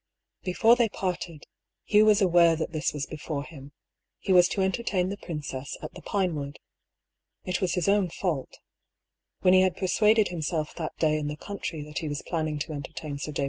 Before they parted, Hugh was aware that this was before him: he was to entertain the princess at the Pinewood. It was his own fault. When he had per suaded himself that day in the country that he was planning to entertain Sir David Forwood and his wife, he was deceiving himself.